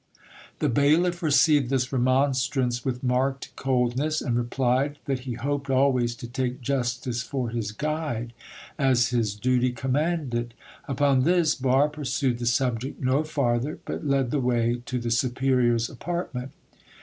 The bailiff received this remonstrance with marked coldness, and replied that he hoped always to take justice for his guide, as his duty commanded. Upon this, Barre pursued the subject no farther, but led the way to the superior's apartment.